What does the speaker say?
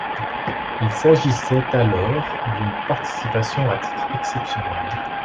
Il s'agissait alors d'une participation à titre exceptionnelle.